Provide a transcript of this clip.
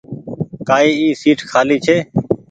ڪآئي اي سيٽ کآلي ڇي۔